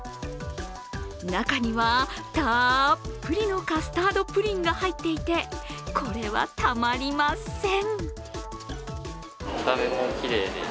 中には、たっぷりのカスタードプリンが入っていてこれはたまりません。